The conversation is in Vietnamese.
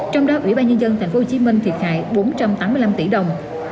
trong đó ủy ban nhân dân tp hcm thiệt hại bốn trăm tám mươi năm tỷ đồng